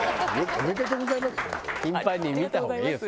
頻繁に見た方がいいよ